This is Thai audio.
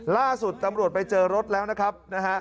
ล่าสุดตำรวจไปเจอรถแล้วนะครับนะฮะ